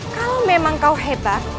kalau memang kau hebat